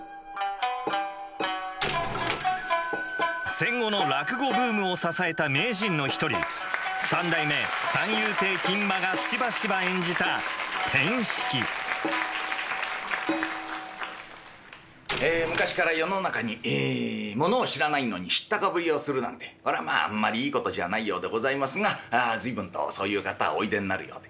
戦後の落語ブームを支えた名人の一人三代目三遊亭金馬がしばしば演じた「転失気」え昔から世の中にものを知らないのに知ったかぶりをするなんてこれはまああんまりいいことじゃないようでございますが随分とそういう方おいでになるようで。